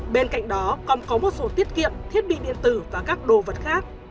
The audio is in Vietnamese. bên cạnh đó còn có một số tiết kiệm thiết bị điện tử và các đồ vật khác